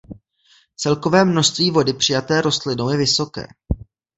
Celkové množství vody přijaté rostlinou je vysoké.